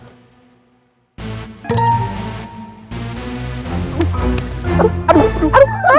aduh aduh aduh